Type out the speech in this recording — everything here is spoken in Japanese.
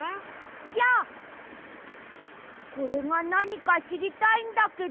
じゃこれがなにかしりたいんだけど。